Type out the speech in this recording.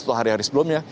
atau hari hari sebelumnya